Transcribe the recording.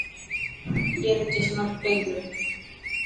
ائي رو چشمو ٽٽي گيو.